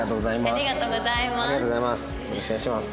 ありがとうございます。